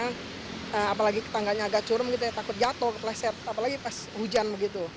kalau tidak pegangan tangganya agak curum takut jatuh leset apalagi pas hujan